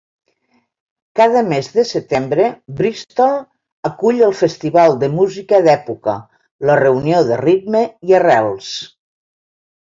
Cada mes de setembre, Bristol acull el Festival de música d'època, la reunió de ritme i arrels.